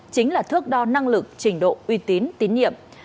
chính là thước đo năng lực trình độ uy tín tín nhiệm